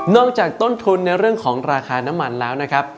จากต้นทุนในเรื่องของราคาน้ำมันแล้วนะครับ